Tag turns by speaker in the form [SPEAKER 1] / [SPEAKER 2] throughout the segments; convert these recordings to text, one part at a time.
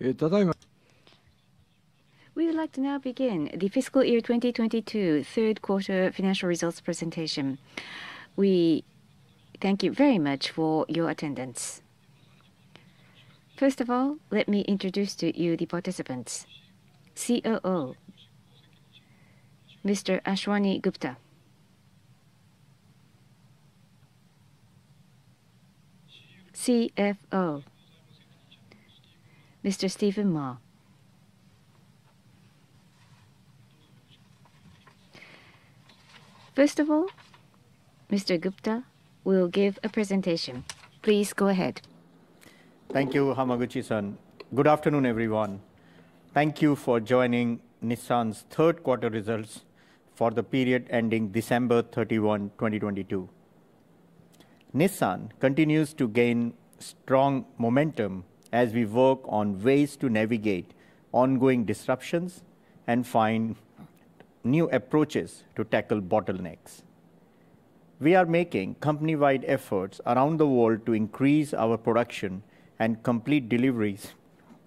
[SPEAKER 1] We would like to now begin the fiscal year 2022 third quarter financial results presentation. We thank you very much for your attendance. First of all, let me introduce to you the participants. COO, Mr. Ashwani Gupta. CFO, Mr. Stephen Ma. First of all, Mr. Gupta will give a presentation. Please go ahead.
[SPEAKER 2] Thank you, Hamaguchi-san. Good afternoon, everyone. Thank you for joining Nissan's third quarter results for the period ending December 31, 2022. Nissan continues to gain strong momentum as we work on ways to navigate ongoing disruptions and find new approaches to tackle bottlenecks. We are making company-wide efforts around the world to increase our production and complete deliveries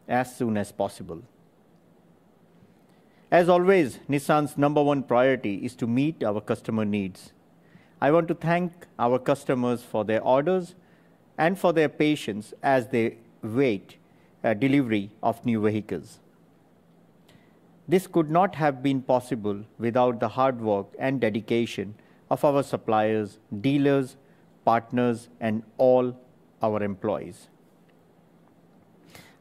[SPEAKER 2] as soon as possible. As always, Nissan's number one priority is to meet our customer needs. I want to thank our customers for their orders and for their patience as they wait delivery of new vehicles. This could not have been possible without the hard work and dedication of our suppliers, dealers, partners, and all our employees.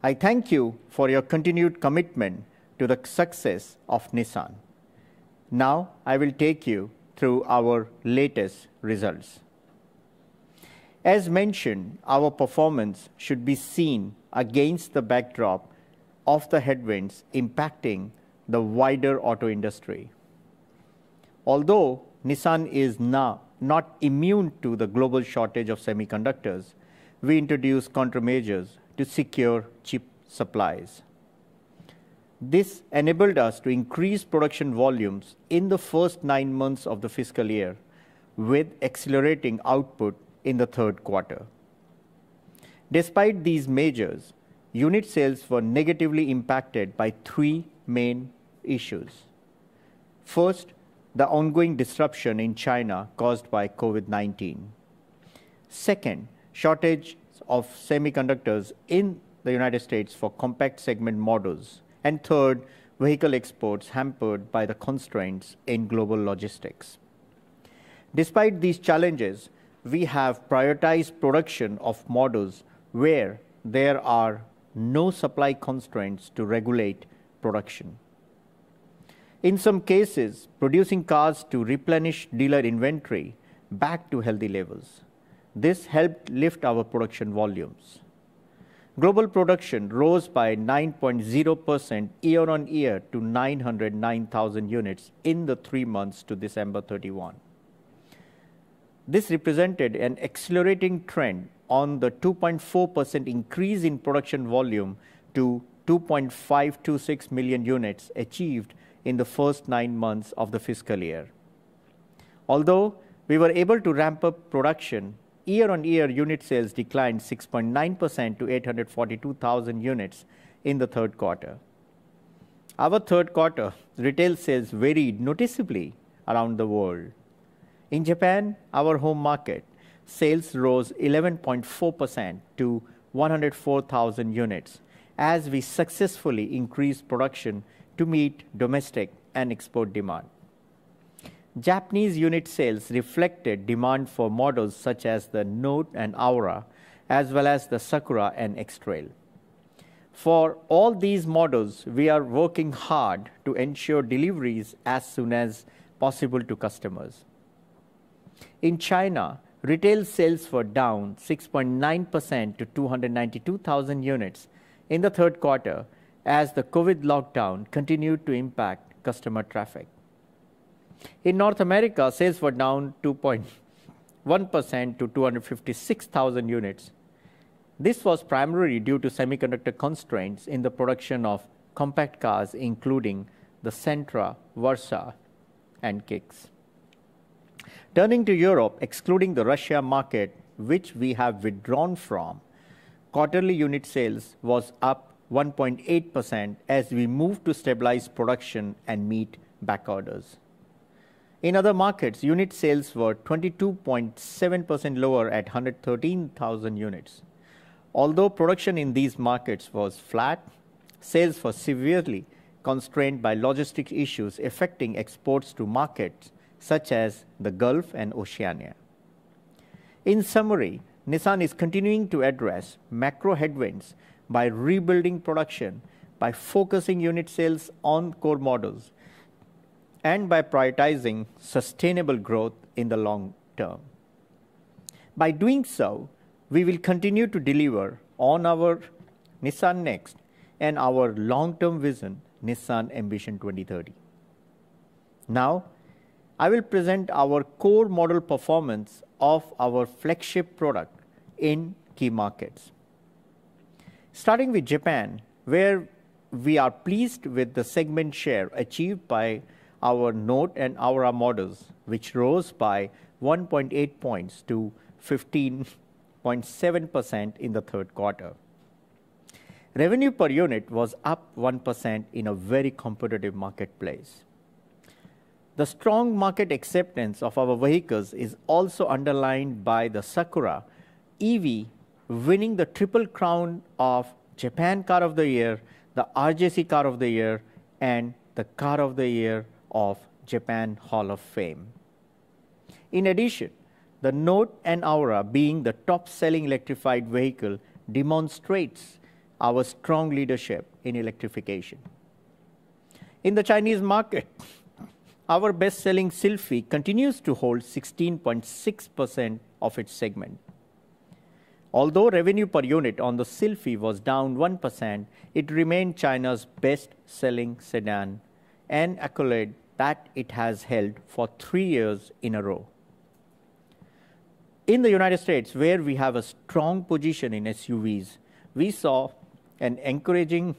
[SPEAKER 2] I thank you for your continued commitment to the success of Nissan. Now, I will take you through our latest results. As mentioned, our performance should be seen against the backdrop of the headwinds impacting the wider auto industry. Although Nissan is now not immune to the global shortage of semiconductors, we introduced countermeasures to secure chip supplies. This enabled us to increase production volumes in the first nine months of the fiscal year with accelerating output in the third quarter. Despite these measures, unit sales were negatively impacted by three main issues. First, the ongoing disruption in China caused by COVID-19. Second, shortage of semiconductors in the United States for compact segment models. Third, vehicle exports hampered by the constraints in global logistics. Despite these challenges, we have prioritized production of models where there are no supply constraints to regulate production. In some cases, producing cars to replenish dealer inventory back to healthy levels. This helped lift our production volumes. Global production rose by 9.0% year-on-year to 909,000 units in the three months to December 31. This represented an accelerating trend on the 2.4% increase in production volume to 2.526 million units achieved in the first nine months of the fiscal year. Although we were able to ramp up production, year-on-year unit sales declined 6.9% to 842,000 units in the third quarter. Our third quarter retail sales varied noticeably around the world. In Japan, our home market, sales rose 11.4% to 104,000 units as we successfully increased production to meet domestic and export demand. Japanese unit sales reflected demand for models such as the Note and Aura, as well as the Sakura and X-Trail. For all these models, we are working hard to ensure deliveries as soon as possible to customers. In China, retail sales were down 6.9% to 292,000 units in the third quarter as the COVID lockdown continued to impact customer traffic. In North America, sales were down 2.1% to 256,000 units. This was primarily due to semiconductor constraints in the production of compact cars, including the Sentra, Versa, and Kicks. Turning to Europe, excluding the Russia market, which we have withdrawn from, quarterly unit sales was up 1.8% as we moved to stabilize production and meet back orders. In other markets, unit sales were 22.7% lower at 113,000 units. Although production in these markets was flat, sales were severely constrained by logistic issues affecting exports to markets such as the Gulf and Oceania. In summary, Nissan is continuing to address macro headwinds by rebuilding production, by focusing unit sales on core models, and by prioritizing sustainable growth in the long term. By doing so, we will continue to deliver on our Nissan NEXT and our long-term vision, Nissan Ambition 2030. I will present our core model performance of our flagship product in key markets. Starting with Japan, We are pleased with the segment share achieved by our Note and Aura models, which rose by 1.8 points to 15.7% in the third quarter. Revenue per unit was up 1% in a very competitive marketplace. The strong market acceptance of our vehicles is also underlined by the Sakura EV winning the triple crown of Japan Car of the Year, the RJC Car of the Year, and the Japan Automotive Hall of Fame Car of the Year. The Note and Aura being the top-selling electrified vehicle demonstrates our strong leadership in electrification. In the Chinese market, our best-selling Sylphy continues to hold 16.6% of its segment. Although revenue per unit on the Sylphy was down 1%, it remained China's best-selling sedan, an accolade that it has held for three years in a row. In the United States, where we have a strong position in SUVs, we saw an encouraging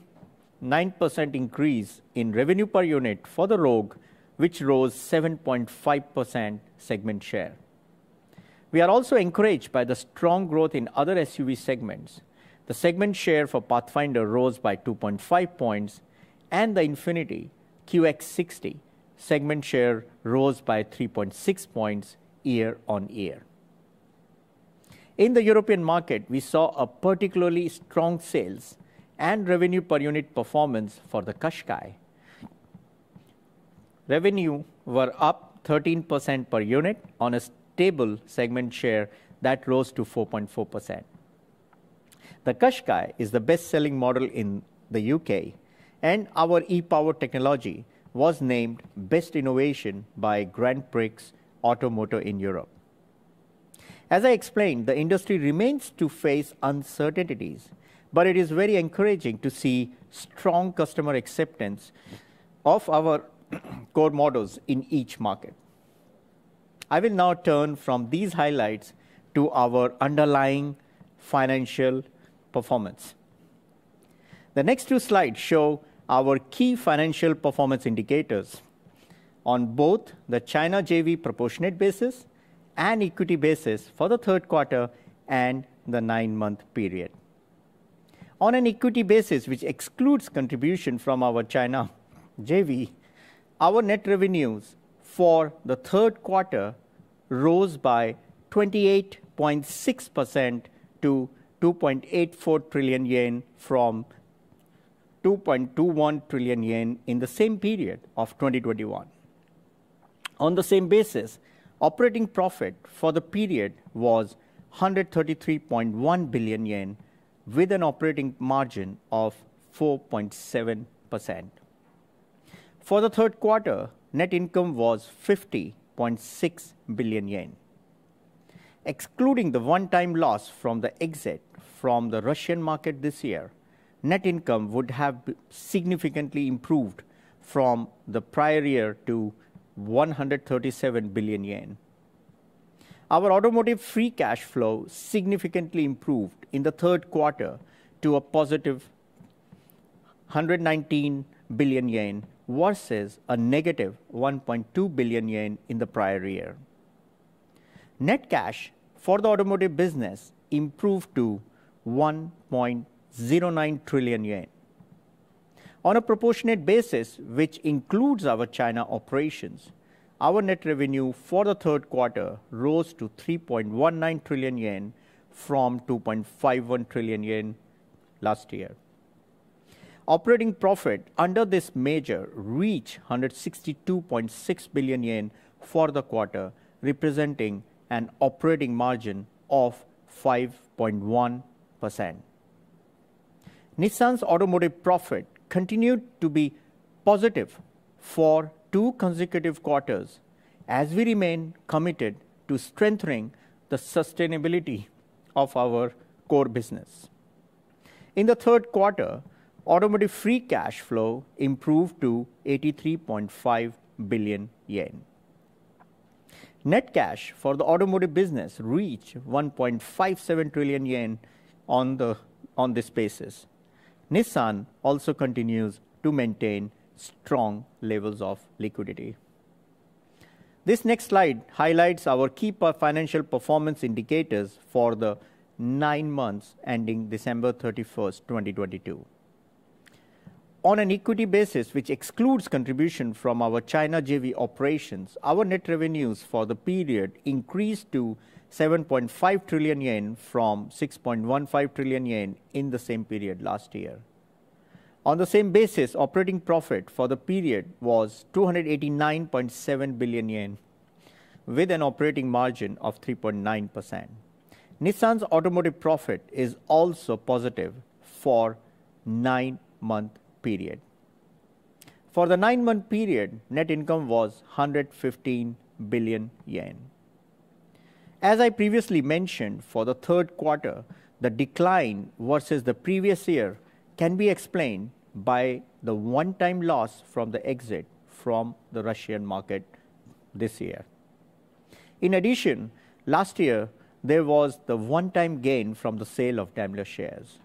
[SPEAKER 2] 9% increase in revenue per unit for the Rogue, which rose 7.5% segment share. We are also encouraged by the strong growth in other SUV segments. The segment share for Pathfinder rose by 2.5 points, and the INFINITI QX60 segment share rose by 3.6 points year-on-year. In the European market, we saw a particularly strong sales and revenue per unit performance for the Qashqai. Revenue were up 13% per unit on a stable segment share that rose to 4.4%. The Qashqai is the best-selling model in the U.K., and our e-POWER technology was named Best Innovation by Auto Moto Grand Prix in Europe. As I explained, the industry remains to face uncertainties, but it is very encouraging to see strong customer acceptance of our core models in each market. I will now turn from these highlights to our underlying financial performance. The next two slides show our key financial performance indicators on both the China JV proportionate basis and equity basis for the third quarter and the nine-month period. On an equity basis, which excludes contribution from our China JV, our net revenues for the third quarter rose by 28.6% to 2.84 trillion yen from 2.21 trillion yen in the same period of 2021. On the same basis, operating profit for the period was 133.1 billion yen with an operating margin of 4.7%. For the third quarter, net income was 50.6 billion yen. Excluding the one-time loss from the exit from the Russian market this year, net income would have significantly improved from the prior year to 137 billion yen. Our automotive free cash flow significantly improved in the third quarter to a positive 119 billion yen versus a negative 1.2 billion yen in the prior year. Net cash for the automotive business improved to 1.09 trillion yen. On a proportionate basis, which includes our China operations, our net revenue for the third quarter rose to 3.19 trillion yen from 2.51 trillion yen last year. Operating profit under this measure reached 162.6 billion yen for the quarter, representing an operating margin of 5.1%. Nissan's automotive profit continued to be positive for two consecutive quarters as we remain committed to strengthening the sustainability of our core business. In the third quarter, automotive free cash flow improved to 83.5 billion yen. Net cash for the automotive business reached 1.57 trillion yen on this basis. Nissan also continues to maintain strong levels of liquidity. This next slide highlights our key financial performance indicators for the nine months ending December 31st, 2022. On an equity basis, which excludes contribution from our China JV operations, our net revenues for the period increased to 7.5 trillion yen from 6.15 trillion yen in the same period last year. On the same basis, operating profit for the period was 289.7 billion yen with an operating margin of 3.9%. Nissan's automotive profit is also positive for the nine-month period. For the nine-month period, net income was 115 billion yen. As I previously mentioned, for the third quarter, the decline versus the previous year can be explained by the one-time loss from the exit from the Russian market this year. In addition, last year, there was the one-time gain from the sale of Daimler shares.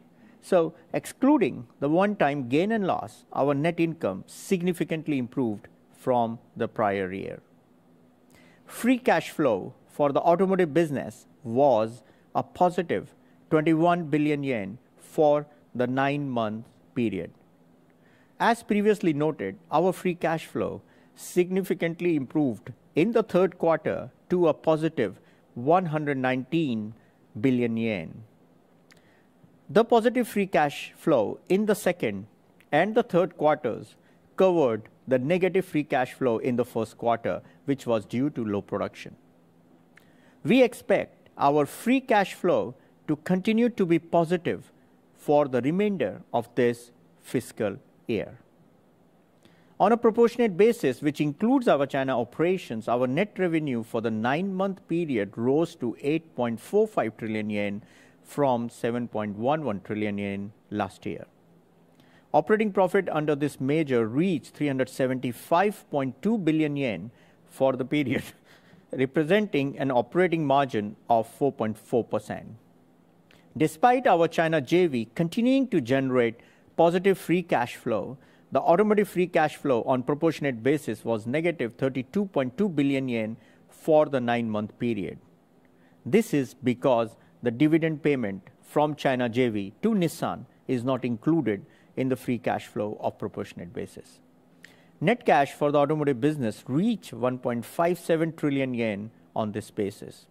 [SPEAKER 2] Excluding the one-time gain and loss, our net income significantly improved from the prior year. Free cash flow for the automotive business was a positive 21 billion yen for the nine-month period. As previously noted, our free cash flow significantly improved in the third quarter to a positive 119 billion yen. The positive free cash flow in the second and the third quarters covered the negative free cash flow in the first quarter, which was due to low production. We expect our free cash flow to continue to be positive for the remainder of this fiscal year. On a proportionate basis, which includes our China operations, our net revenue for the nine-month period rose to 8.45 trillion yen from 7.11 trillion yen last year. Operating profit under this measure reached 375.2 billion yen for the period, representing an operating margin of 4.4%. Despite our China JV continuing to generate positive free cash flow, the automotive free cash flow on proportionate basis was -32.2 billion yen for the nine-month period. This is because the dividend payment from China JV to Nissan is not included in the free cash flow of proportionate basis. Net cash for the automotive business reached 1.57 trillion yen on this basis.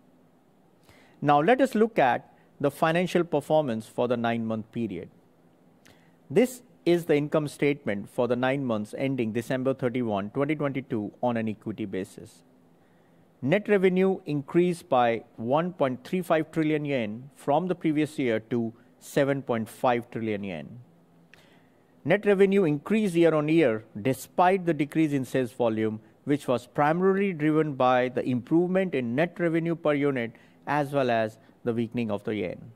[SPEAKER 2] Let us look at the financial performance for the nine-month period. This is the income statement for the nine months ending December 31, 2022 on an equity basis. Net revenue increased by 1.35 trillion yen from the previous year to 7.5 trillion yen. Net revenue increased year on year despite the decrease in sales volume, which was primarily driven by the improvement in net revenue per unit as well as the weakening of the yen.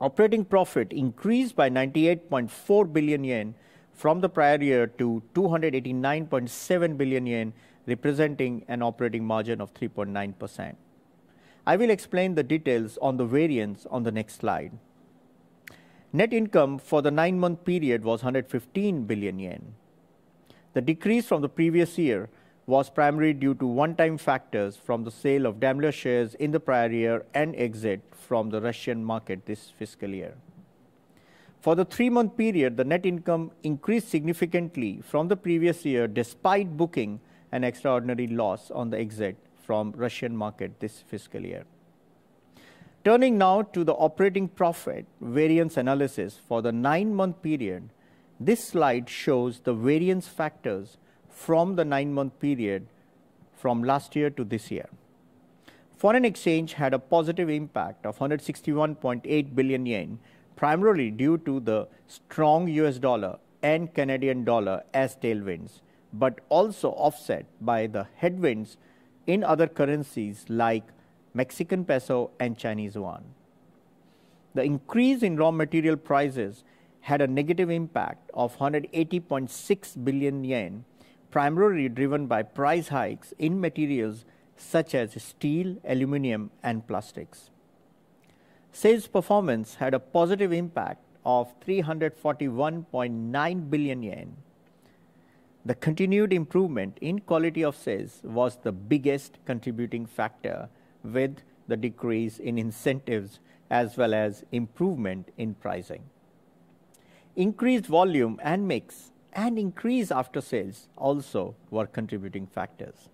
[SPEAKER 2] Operating profit increased by 98.4 billion yen from the prior year to 289.7 billion yen, representing an operating margin of 3.9%. I will explain the details on the variance on the next slide. Net income for the nine-month period was 115 billion yen. The decrease from the previous year was primarily due to one-time factors from the sale of Daimler shares in the prior year and exit from the Russian market this fiscal year. For the three-month period, the net income increased significantly from the previous year, despite booking an extraordinary loss on the exit from Russian market this fiscal year. Turning now to the operating profit variance analysis for the nine-month period. This slide shows the variance factors from the nine-month period from last year to this year. Foreign exchange had a positive impact of 161.8 billion yen, primarily due to the strong U.S. dollar and Canadian dollar as tailwinds, but also offset by the headwinds in other currencies like Mexican peso and Chinese yuan. The increase in raw material prices had a negative impact of 180.6 billion yen, primarily driven by price hikes in materials such as steel, aluminum, and plastics. Sales performance had a positive impact of 341.9 billion yen. The continued improvement in quality of sales was the biggest contributing factor with the decrease in incentives as well as improvement in pricing. Increased volume and mix and increase after sales also were contributing factors.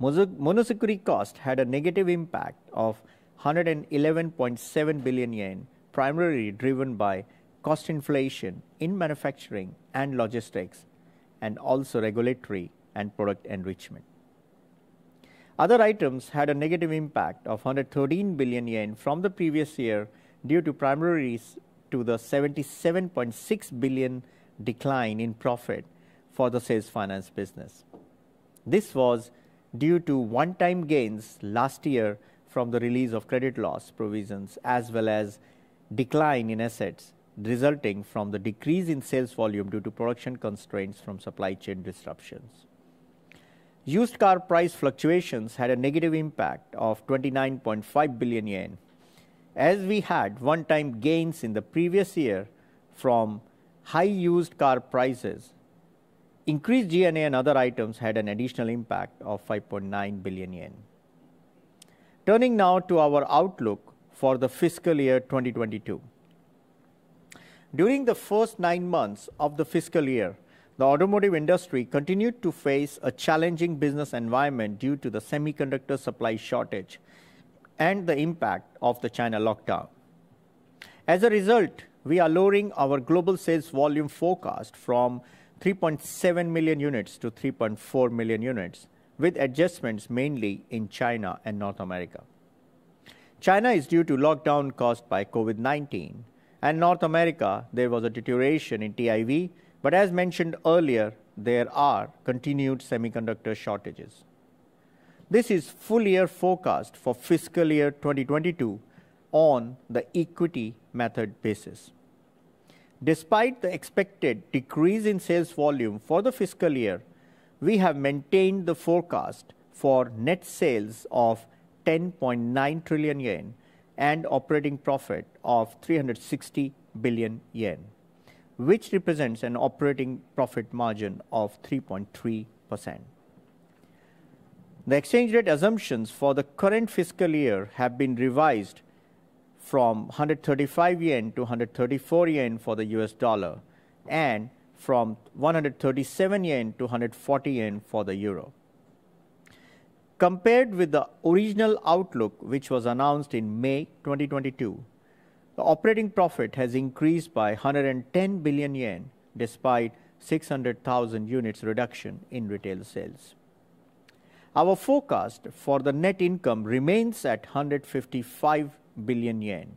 [SPEAKER 2] Monozukuri cost had a negative impact of 111.7 billion yen, primarily driven by cost inflation in manufacturing and logistics, and also regulatory and product enrichment. Other items had a negative impact of 113 billion yen from the previous year, due to primarily to the 77.6 billion decline in profit for the sales finance business. This was due to one-time gains last year from the release of credit loss provisions, as well as decline in assets resulting from the decrease in sales volume due to production constraints from supply chain disruptions. Used car price fluctuations had a negative impact of 29.5 billion yen. As we had one-time gains in the previous year from high used car prices, increased SG&A and other items had an additional impact of 5.9 billion yen. Turning now to our outlook for the fiscal year 2022. During the first nine months of the fiscal year, the automotive industry continued to face a challenging business environment due to the semiconductor supply shortage and the impact of the China lockdown. As a result, we are lowering our global sales volume forecast from 3.7 million units-3.4 million units, with adjustments mainly in China and North America. China is due to lockdown caused by COVID-19. North America, there was a deterioration in TIV. As mentioned earlier, there are continued semiconductor shortages. This is full year forecast for fiscal year 2022 on the equity method basis. Despite the expected decrease in sales volume for the fiscal year, we have maintained the forecast for net sales of 10.9 trillion yen and operating profit of 360 billion yen, which represents an operating profit margin of 3.3%. The exchange rate assumptions for the current fiscal year have been revised from 135 yen to 134 yen for the U.S. dollar from 137 yen to 140 yen for the euro. Compared with the original outlook, which was announced in May 2022, the operating profit has increased by 110 billion yen despite 600,000 units reduction in retail sales. Our forecast for the net income remains at 155 billion yen.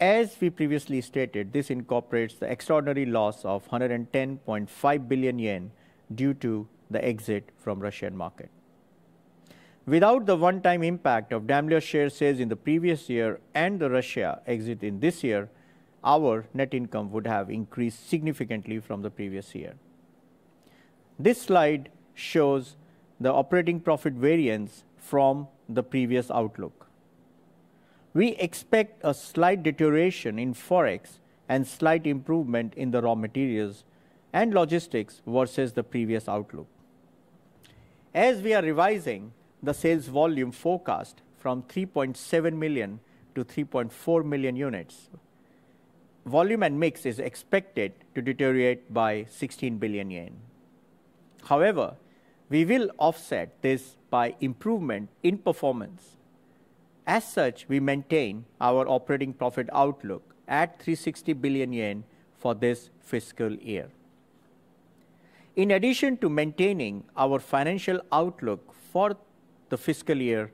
[SPEAKER 2] As we previously stated, this incorporates the extraordinary loss of 110.5 billion yen due to the exit from Russian market. Without the one-time impact of Daimler share sales in the previous year and the Russia exit in this year, our net income would have increased significantly from the previous year. This slide shows the operating profit variance from the previous outlook. We expect a slight deterioration in Forex and slight improvement in the raw materials and logistics versus the previous outlook. As we are revising the sales volume forecast from 3.7 million-3.4 million units, volume and mix is expected to deteriorate by 16 billion yen. We will offset this by improvement in performance. As such, we maintain our operating profit outlook at 360 billion yen for this fiscal year. In addition to maintaining our financial outlook for the fiscal year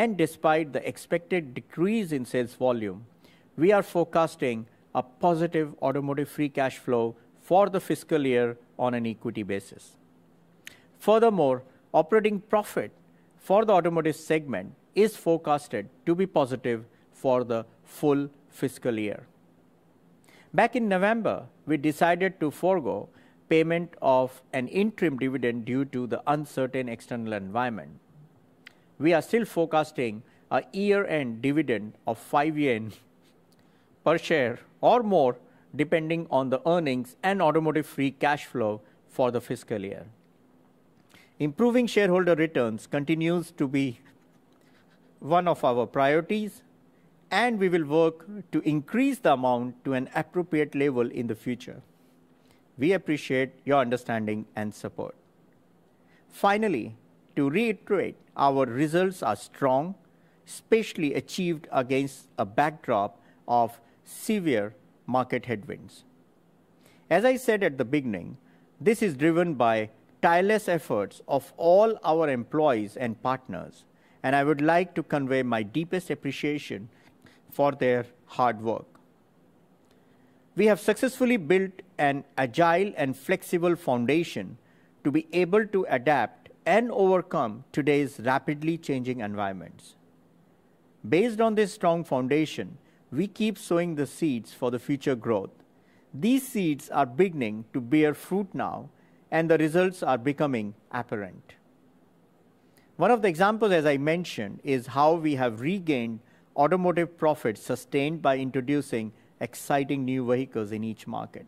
[SPEAKER 2] and despite the expected decrease in sales volume, we are forecasting a positive automotive free cash flow for the fiscal year on an equity basis. Operating profit for the automotive segment is forecasted to be positive for the full fiscal year. In November, we decided to forgo payment of an interim dividend due to the uncertain external environment. We are still forecasting a year-end dividend of 5 yen per share or more, depending on the earnings and automotive free cash flow for the fiscal year. Improving shareholder returns continues to be one of our priorities, and we will work to increase the amount to an appropriate level in the future. We appreciate your understanding and support. Finally, to reiterate, our results are strong, especially achieved against a backdrop of severe market headwinds. As I said at the beginning, this is driven by tireless efforts of all our employees and partners, and I would like to convey my deepest appreciation for their hard work. We have successfully built an agile and flexible foundation to be able to adapt and overcome today's rapidly changing environments. Based on this strong foundation, we keep sowing the seeds for the future growth. These seeds are beginning to bear fruit now, and the results are becoming apparent. One of the examples, as I mentioned, is how we have regained automotive profits sustained by introducing exciting new vehicles in each market.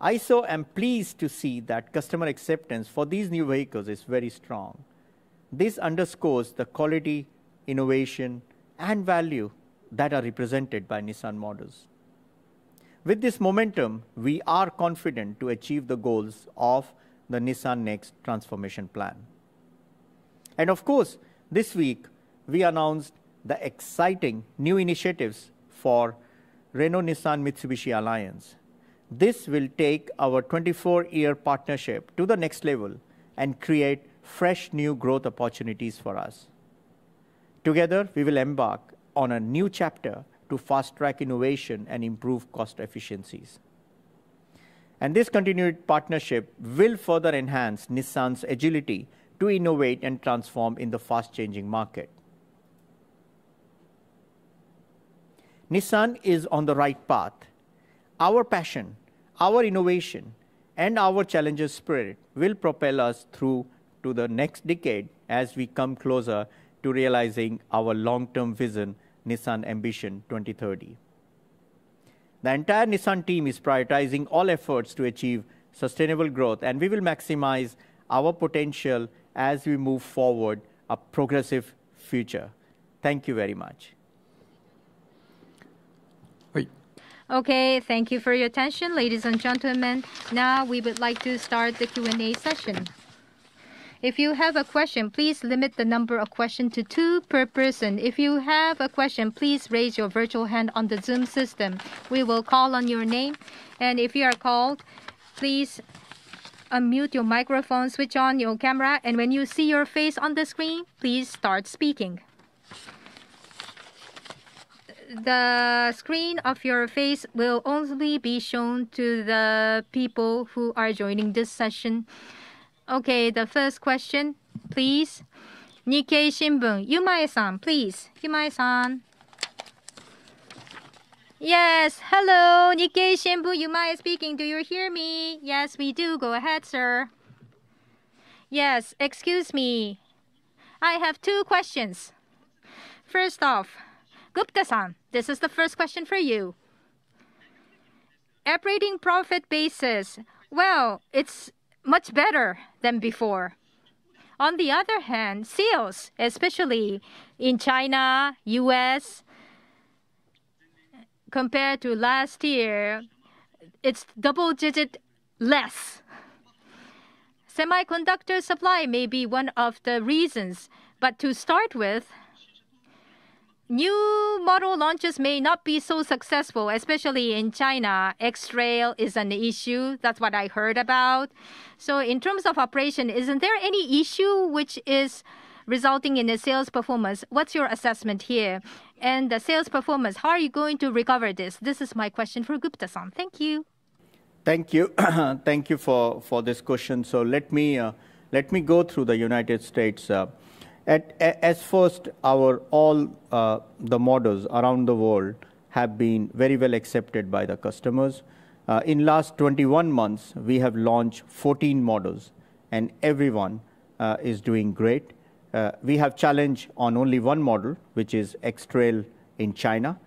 [SPEAKER 2] I so am pleased to see that customer acceptance for these new vehicles is very strong. This underscores the quality, innovation, and value that are represented by Nissan models. With this momentum, we are confident to achieve the goals of the Nissan NEXT transformation plan. Of course, this week we announced the exciting new initiatives for Renault-Nissan-Mitsubishi Alliance. This will take our 24-year partnership to the next level and create fresh new growth opportunities for us. Together, we will embark on a new chapter to fast-track innovation and improve cost efficiencies. This continued partnership will further enhance Nissan's agility to innovate and transform in the fast-changing market. Nissan is on the right path. Our passion, our innovation, and our challenges spirit will propel us through to the next decade as we come closer to realizing our long-term vision, Nissan Ambition 2030. The entire Nissan team is prioritizing all efforts to achieve sustainable growth. We will maximize our potential as we move forward a progressive future. Thank you very much.
[SPEAKER 1] Okay, thank you for your attention, ladies and gentlemen. We would like to start the Q&A session. If you have a question, please limit the number of question to two per person. If you have a question, please raise your virtual hand on the Zoom system. We will call on your name. If you are called, please unmute your microphone, switch on your camera, and when you see your face on the screen, please start speaking. The screen of your face will only be shown to the people who are joining this session. The first question, please. Nikkei Shimbun, Yumai-san, please. Yumai-san.
[SPEAKER 3] Yes, hello. Nikkei Shimbun, Yumai speaking. Do you hear me?
[SPEAKER 1] Yes, we do. Go ahead, sir.
[SPEAKER 3] Yes, excuse me. I have two questions. First off, Gupta-san, this is the first question for you. Operating profit basis, well, it's much better than before. On the other hand, sales, especially in China, U.S., compared to last year, it's double-digit less. Semiconductor supply may be one of the reasons, but to start with, new model launches may not be so successful, especially in China. X-Trail is an issue. That's what I heard about. In terms of operation, isn't there any issue which is resulting in a sales performance? What's your assessment here? The sales performance, how are you going to recover this? This is my question for Gupta-san. Thank you.
[SPEAKER 2] Thank you. Thank you for this question. Let me go through the United States. At as first, our all the models around the world have been very well accepted by the customers. In last 21 months, we have launched 14 models, and every one is doing great. We have challenge on only one model, which is X-Trail in China.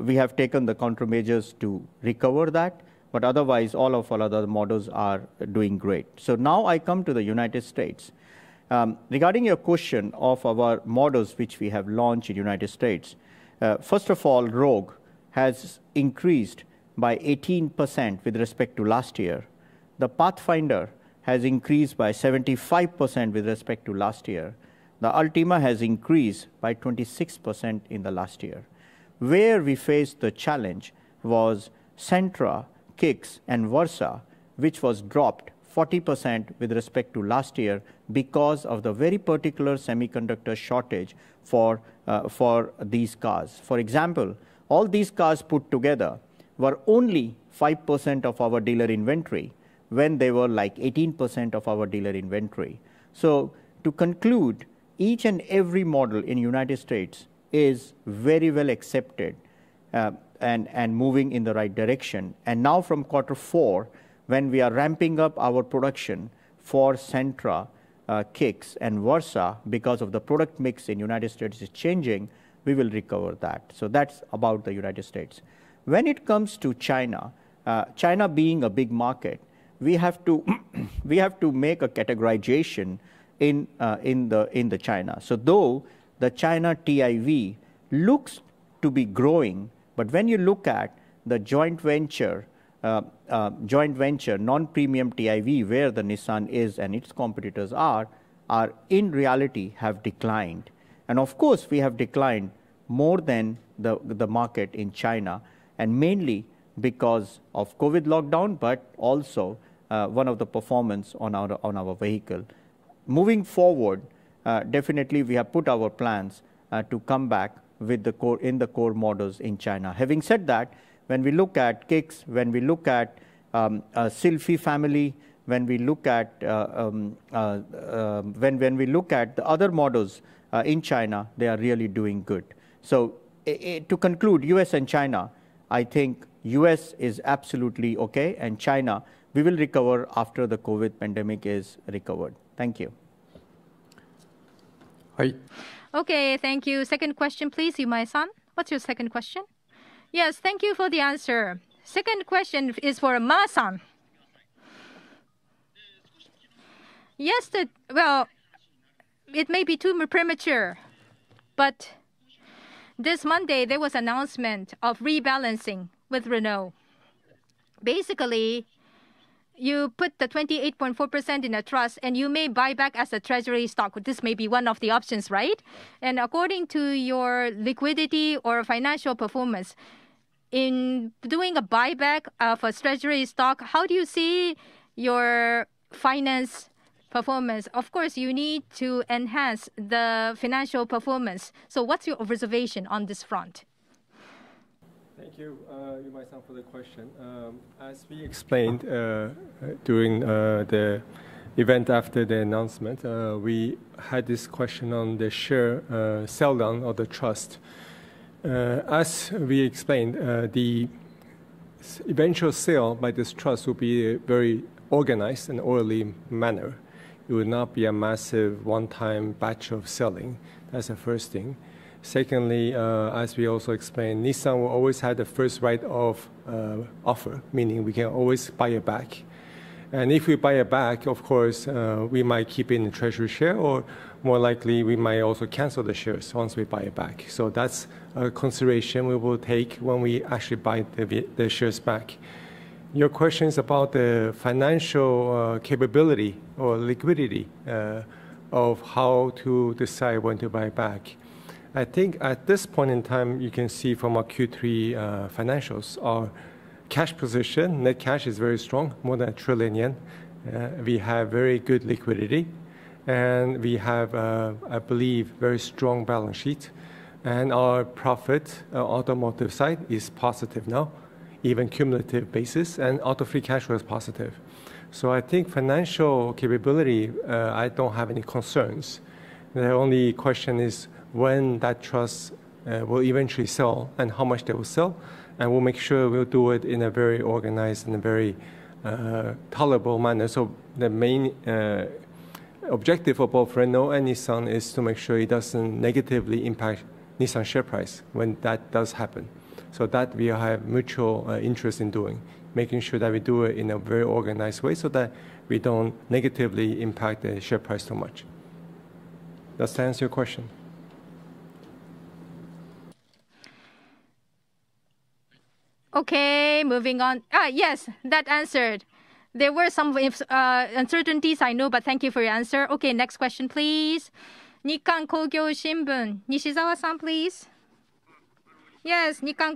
[SPEAKER 2] We have taken the countermeasures to recover that. Otherwise, all of our other models are doing great. Now I come to the United States. Regarding your question of our models which we have launched in United States, first of all, Rogue has increased by 18% with respect to last year. The Pathfinder has increased by 75% with respect to last year. The Altima has increased by 26% in the last year. Where we faced the challenge was Sentra, Kicks, and Versa, which was dropped 40% with respect to last year because of the very particular semiconductor shortage for these cars. For example, all these cars put together were only 5% of our dealer inventory when they were, like, 18% of our dealer inventory. To conclude, each and every model in United States is very well accepted, and moving in the right direction. Now from quarter four, when we are ramping up our production for Sentra, Kicks, and Versa, because of the product mix in United States is changing, we will recover that. That's about the United States. When it comes to China being a big market, we have to make a categorization in the China. Though the China TIV looks to be growing, but when you look at the joint venture, joint venture non-premium TIV, where the Nissan is and its competitors are in reality have declined. Of course, we have declined more than the market in China, and mainly because of COVID lockdown, but also, one of the performance on our vehicle. Moving forward, definitely we have put our plans to come back in the core models in China. Having said that, when we look at Kicks, when we look at Sylphy family, when we look at the other models in China, they are really doing good. To conclude, U.S. and China, I think U.S. is absolutely okay, and China, we will recover after the COVID pandemic is recovered. Thank you.
[SPEAKER 3] Hai.
[SPEAKER 1] Okay, thank you. Second question, please, Yumai-san. What's your second question?
[SPEAKER 3] Thank you for the answer. Second question is for Ma-san. Well, it may be too premature, but this Monday there was announcement of rebalancing with Renault. Basically, you put the 28.4% in a trust and you may buy back as a treasury stock. This may be one of the options, right? According to your liquidity or financial performance, in doing a buyback of a treasury stock, how do you see your finance performance? Of course, you need to enhance the financial performance. What's your reservation on this front?
[SPEAKER 4] Thank you, Yumai-san, for the question. As we explained, during the event after the announcement, we had this question on the share sell-down of the trust. As we explained, the eventual sale by this trust will be very organized in an orderly manner. It will not be a massive one-time batch of selling. That's the first thing. Secondly, as we also explained, Nissan will always have the first right of offer, meaning we can always buy it back. If we buy it back, of course, we might keep it in treasury share or more likely we might also cancel the shares once we buy it back. That's a consideration we will take when we actually buy the shares back. Your questions about the financial capability or liquidity of how to decide when to buy back. I think at this point in time, you can see from our Q3 financials, our cash position, net cash is very strong, more than 1 trillion yen. We have very good liquidity. We have, I believe very strong balance sheet and our profit, automotive side is positive now, even cumulative basis and auto free cash flow is positive. I think financial capability, I don't have any concerns. The only question is when that trust will eventually sell and how much they will sell, and we'll make sure we'll do it in a very organized and a very, tolerable manner. The main objective of both Renault and Nissan is to make sure it doesn't negatively impact Nissan share price when that does happen. That we have mutual interest in doing, making sure that we do it in a very organized way so that we don't negatively impact the share price so much. Does that answer your question?
[SPEAKER 1] Okay, moving on.
[SPEAKER 3] Yes, that answered. There were some if, uncertainties I know, but thank you for your answer.
[SPEAKER 1] Okay, next question please. Yes.
[SPEAKER 5] Nikkan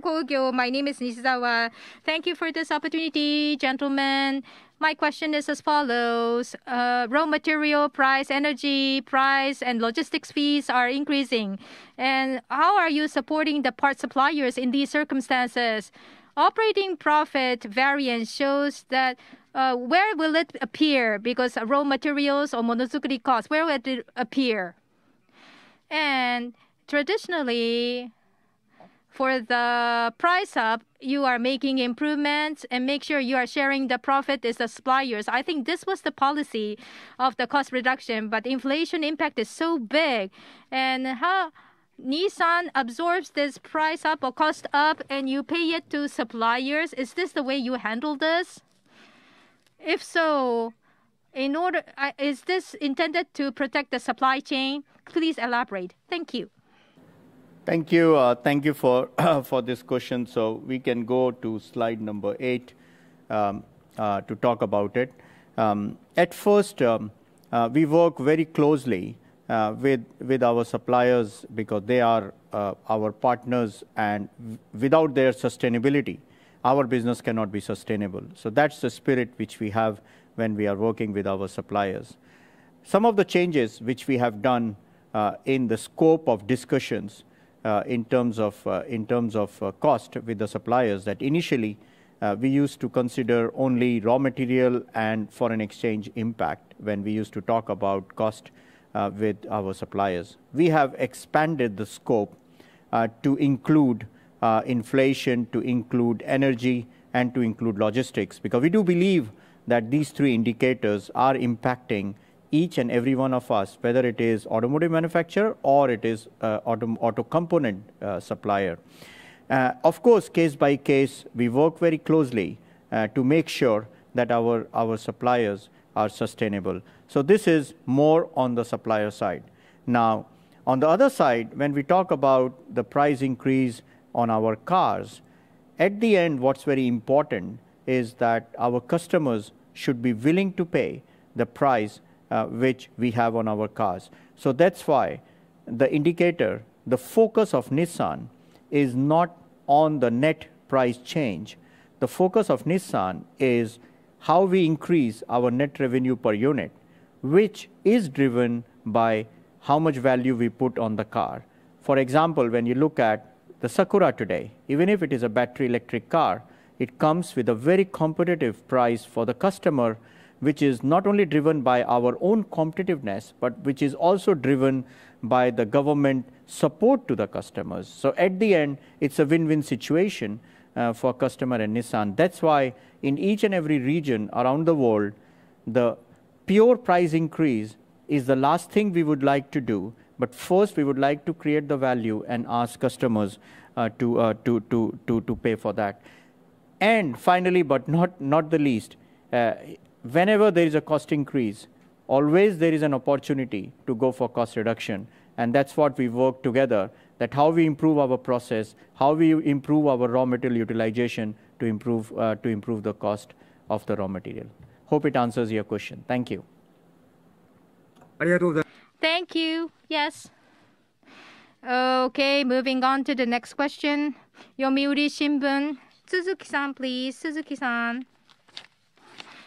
[SPEAKER 5] Kogyo, my name is Izawa. Thank you for this opportunity, gentlemen. My question is as follows. Raw material price, energy price, and logistics fees are increasing. How are you supporting the parts suppliers in these circumstances? Operating profit variance shows that, where will it appear? Because raw materials or monozukuri costs, where will it appear? Traditionally, for the price up you are making improvements and make sure you are sharing the profit as the suppliers. I think this was the policy of the cost reduction, but inflation impact is so big. How Nissan absorbs this price up or cost up and you pay it to suppliers, is this the way you handle this? If so, in order. Is this intended to protect the supply chain? Please elaborate. Thank you.
[SPEAKER 2] Thank you. Thank you for this question. We can go to slide number eight to talk about it. At first, we work very closely with our suppliers because they are our partners and without their sustainability, our business cannot be sustainable. That's the spirit which we have when we are working with our suppliers. Some of the changes which we have done in the scope of discussions in terms of cost with the suppliers that initially, we used to consider only raw material and foreign exchange impact when we used to talk about cost with our suppliers. We have expanded the scope to include inflation, to include energy, and to include logistics. We do believe that these three indicators are impacting each and every one of us, whether it is automotive manufacturer or it is, auto-auto component supplier. Of course, case by case, we work very closely, to make sure that our suppliers are sustainable. This is more on the supplier side. On the other side, when we talk about the price increase on our cars, at the end, what's very important is that our customers should be willing to pay the price, which we have on our cars. That's why the indicator, the focus of Nissan, is not on the net price change. The focus of Nissan is how we increase our net revenue per unit, which is driven by how much value we put on the car. For example, when you look at the Sakura today, even if it is a battery electric car, it comes with a very competitive price for the customer, which is not only driven by our own competitiveness, but which is also driven by the government support to the customers. At the end, it's a win-win situation for customer and Nissan. That's why in each and every region around the world, the pure price increase is the last thing we would like to do, but first, we would like to create the value and ask customers to pay for that. Finally, but not the least, whenever there is a cost increase, always there is an opportunity to go for cost reduction. That's what we work together, that how we improve our process, how we improve our raw material utilization to improve the cost of the raw material. Hope it answers your question. Thank you.
[SPEAKER 5] Thank you. Yes.
[SPEAKER 1] Okay, moving on to the next question. Yomiuri Shimbun. Suzuki-san, please. Suzuki-san.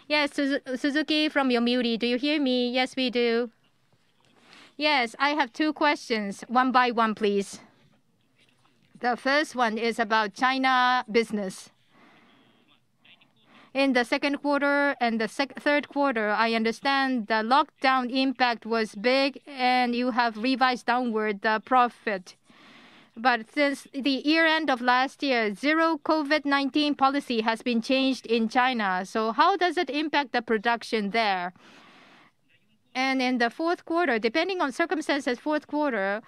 [SPEAKER 6] Yes, Suzuki from Yomiuri, do you hear me?
[SPEAKER 1] Yes, we do.
[SPEAKER 6] I have two questions. One by one, please. The first one is about China business. In the second quarter and the third quarter, I understand the lockdown impact was big and you have revised downward the profit. Since the year end of last year, zero COVID-19 policy has been changed in China, so how does it impact the production there? In the fourth quarter, depending on circumstances, fourth quarter,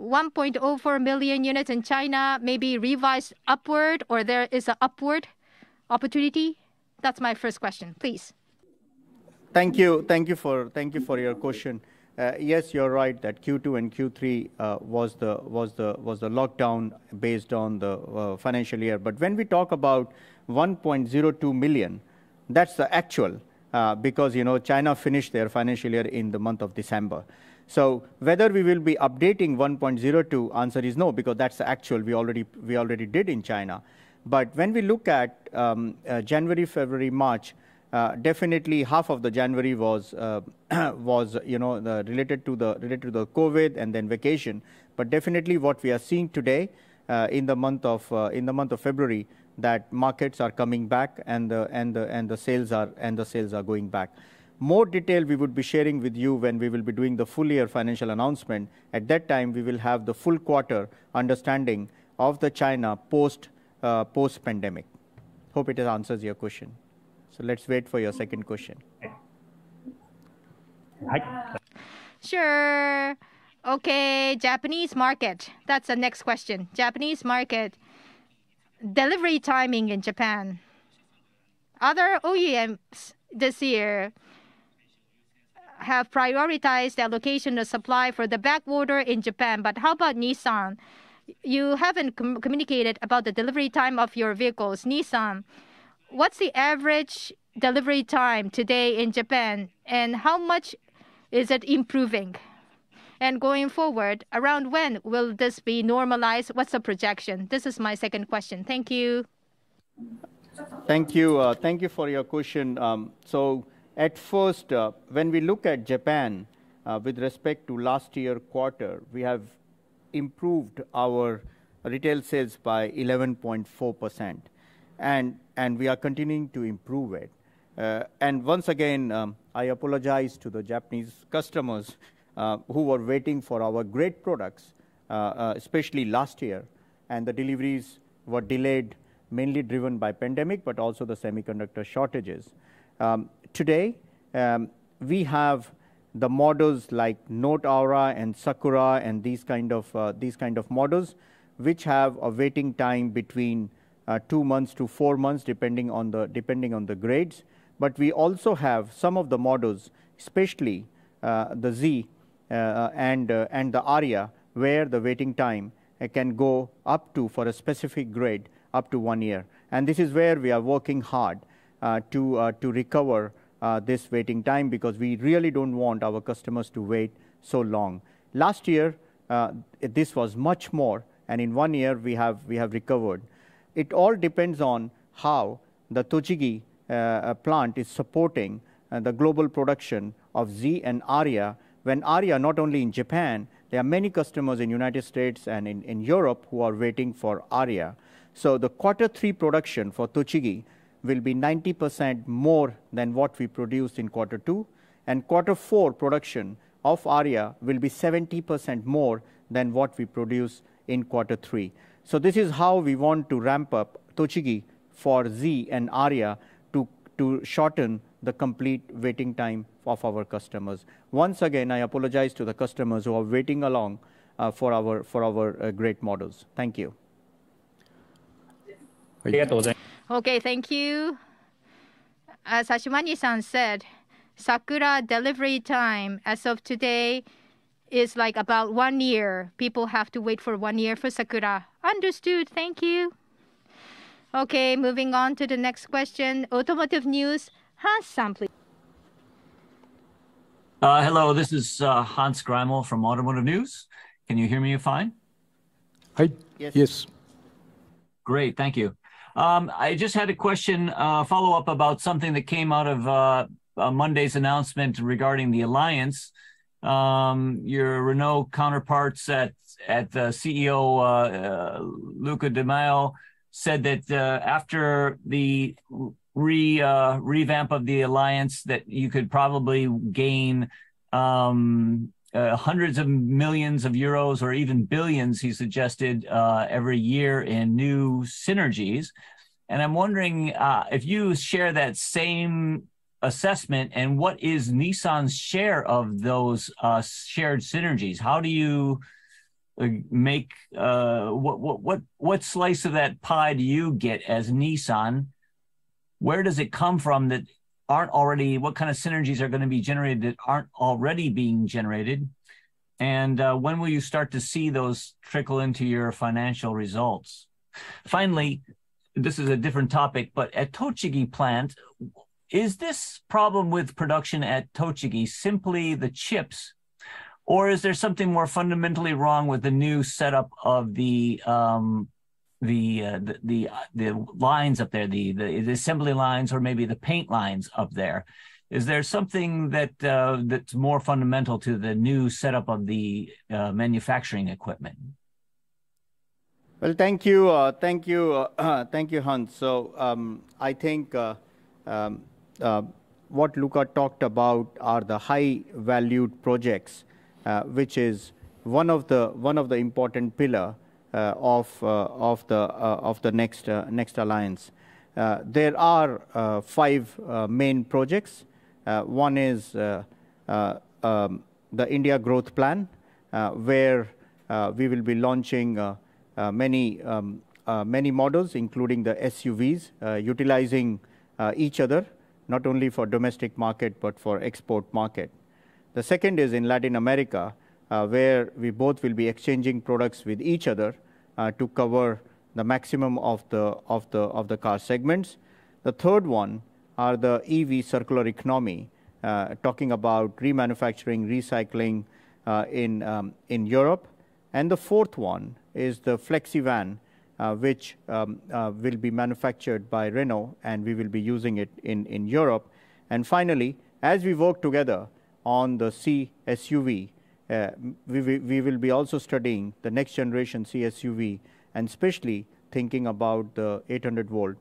[SPEAKER 6] 1.04 million units in China may be revised upward or there is a upward opportunity? That's my first question. Please.
[SPEAKER 2] Thank you. Thank you for your question. Yes, you're right that Q2 and Q3 was the lockdown based on the financial year. When we talk about 1.02 million units. That's the actual, because, you know, China finished their financial year in the month of December. Whether we will be updating 1.02 million units. The answer is no, because that's the actual, we already did in China. When we look at January, February, March, definitely half of the January was, you know, related to the COVID and then vacation. Definitely what we are seeing today, in the month of February, that markets are coming back and the sales are going back. More detail we would be sharing with you when we will be doing the full year financial announcement. At that time we will have the full quarter understanding of the China post-pandemic. Hope it answers your question. Let's wait for your second question.
[SPEAKER 6] Sure. Okay. Japanese market, that's the next question. Japanese market, delivery timing in Japan. Other OEMs this year have prioritized the allocation of supply for the backorder in Japan, how about Nissan? You haven't communicated about the delivery time of your vehicles. Nissan, what's the average delivery time today in Japan, and how much is it improving? Going forward, around when will this be normalized? What's the projection? This is my second question. Thank you.
[SPEAKER 2] Thank you. Thank you for your question. At first, when we look at Japan, with respect to last year quarter, we have improved our retail sales by 11.4%. We are continuing to improve it. Once again, I apologize to the Japanese customers, who were waiting for our great products, especially last year, and the deliveries were delayed, mainly driven by pandemic, but also the semiconductor shortages. Today, we have the models like Note Aura and Sakura and these kind of models, which have a waiting time between, two months-four months, depending on the grades. We also have some of the models, especially, the Z, and the ARIYA, where the waiting time can go up to, for a specific grade, up to one year. This is where we are working hard to recover this waiting time because we really don't want our customers to wait so long. Last year, this was much more, and in one year we have recovered. It all depends on how the Tochigi plant is supporting the global production of Z and ARIYA, when ARIYA not only in Japan, there are many customers in United States and in Europe who are waiting for ARIYA. The quarter three production for Tochigi will be 90% more than what we produced in quarter two, and quarter four production of ARIYA will be 70% more than what we produced in quarter three. This is how we want to ramp up Tochigi for Z and ARIYA to shorten the complete waiting time of our customers. Once again, I apologize to the customers who are waiting along for our, for our great models. Thank you.
[SPEAKER 6] Okay, thank you. As Ashwani-san said, Sakura delivery time as of today is, like, about one year. People have to wait for one year for Sakura. Understood. Thank you.
[SPEAKER 1] Okay, moving on to the next question. Automotive News, Hans Greimel, please.
[SPEAKER 7] Hello, this is Hans Greimel from Automotive News. Can you hear me fine?
[SPEAKER 2] Hi. Yes.
[SPEAKER 7] Great. Thank you. I just had a question, follow-up about something that came out of Monday's announcement regarding the alliance. Your Renault counterparts at CEO Luca de Meo said that after the revamp of the alliance, that you could probably gain hundreds of millions of euros or even billions he suggested every year in new synergies. I'm wondering if you share that same assessment and what is Nissan's share of those shared synergies? How do you make What slice of that pie do you get as Nissan? Where does it come from that aren't already? What kind of synergies are gonna be generated that aren't already being generated? When will you start to see those trickle into your financial results? Finally, this is a different topic, but at Tochigi plant, is this problem with production at Tochigi simply the chips, or is there something more fundamentally wrong with the new setup of the lines up there, the assembly lines or maybe the paint lines up there? Is there something that's more fundamental to the new setup of the manufacturing equipment?
[SPEAKER 2] Well, thank you. Thank you. Thank you, Hans. I think, what Luca talked about are the high valued projects, which is one of the important pillar, of the next alliance. There are five main projects. One is, the India growth plan, where, we will be launching, many models, including the SUVs, utilizing, each other, not only for domestic market but for export market. The second is in Latin America, where we both will be exchanging products with each other, to cover the maximum of the car segments. The third one are the EV circular economy, talking about remanufacturing, recycling, in Europe. The fourth one is the FlexEVan, which will be manufactured by Renault, and we will be using it in Europe. Finally, as we work together on the C-SUV, we will be also studying the next generation C-SUV and especially thinking about the 800V,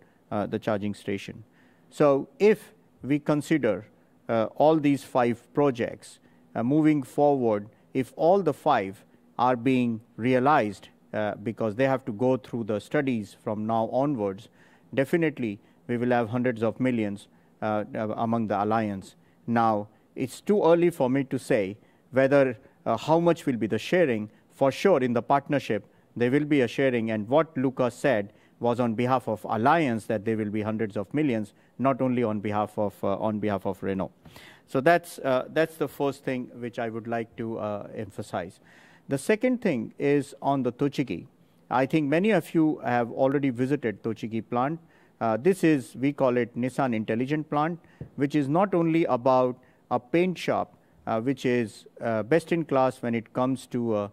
[SPEAKER 2] the charging station. If we consider all these five projects moving forward, if all the five are being realized, because they have to go through the studies from now onwards, definitely we will have hundreds of millions among the alliance. It's too early for me to say whether how much will be the sharing. For sure in the partnership there will be a sharing. What Luca said was on behalf of alliance that there will be hundreds of millions, not only on behalf of, on behalf of Renault. That's the first thing which I would like to emphasize. The second thing is on the Tochigi. I think many of you have already visited Tochigi plant. We call it Nissan Intelligent Factory, which is not only about a paint shop, which is best in class when it comes to,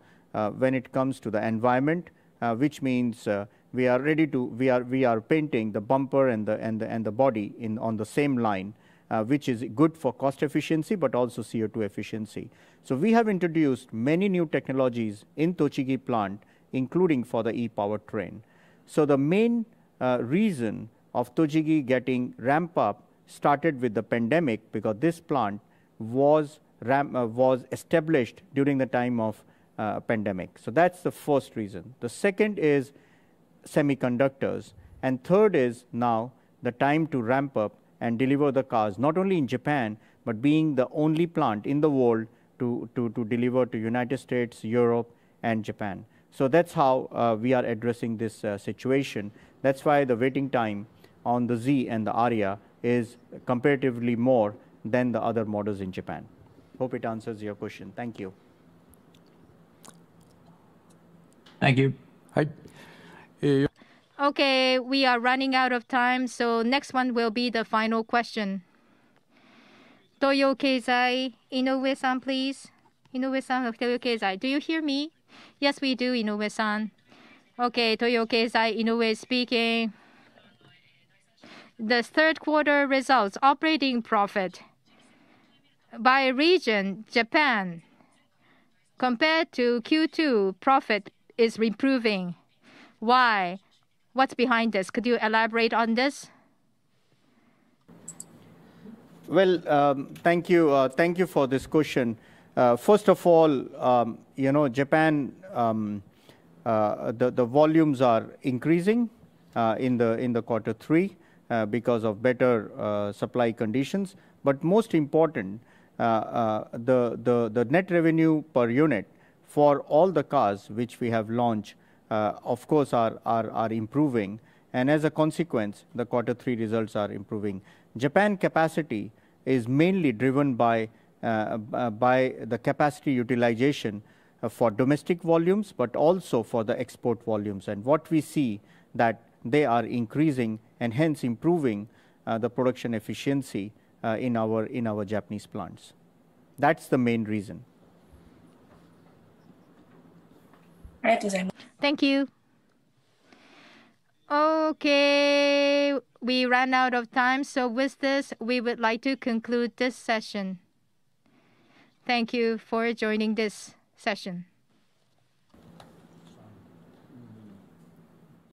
[SPEAKER 2] when it comes to the environment, which means, We are painting the bumper and the body in on the same line, which is good for cost efficiency but also CO2 efficiency. We have introduced many new technologies in Tochigi Plant, including for the e-Powertrain. The main reason of Tochigi getting ramp up started with the pandemic because this plant was established during the time of pandemic. That's the first reason. The second is semiconductors. Third is now the time to ramp up and deliver the cars, not only in Japan, but being the only plant in the world to deliver to United States, Europe and Japan. That's how we are addressing this situation. That's why the waiting time on the Z and the ARIYA is comparatively more than the other models in Japan. Hope it answers your question. Thank you.
[SPEAKER 7] Thank you.
[SPEAKER 1] We are running out of time, next one will be the final question. Toyo Keizai, Inoue-san, please.
[SPEAKER 8] Inoue-san of Toyo Keizai, do you hear me?
[SPEAKER 1] Yes, we do, Inoue-san.
[SPEAKER 8] Toyo Keizai, Inoue speaking. The third quarter results operating profit by region, Japan, compared to Q2, profit is improving. Why? What's behind this? Could you elaborate on this?
[SPEAKER 2] Well, thank you. Thank you for this question. First of all, you know, Japan, the volumes are increasing in the quarter three because of better supply conditions. Most important, the net revenue per unit for all the cars which we have launched, of course, are improving. As a consequence, the quarter three results are improving. Japan capacity is mainly driven by the capacity utilization for domestic volumes, but also for the export volumes. What we see that they are increasing and hence improving the production efficiency in our Japanese plants. That's the main reason.
[SPEAKER 1] Thank you. We ran out of time. With this, we would like to conclude this session. Thank you for joining this session.